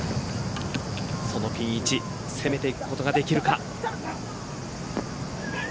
そのピン位置攻めていくことができるか。